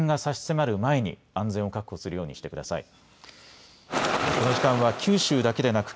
危険が差し迫る前に安全を確保するようにしてください。